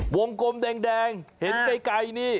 วงกลมแดงเห็นไกลนี่